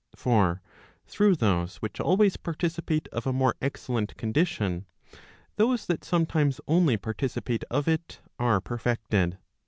For through those which always parti¬ cipate of a more excellent condition, those that sometimes only participate of it, are perfected.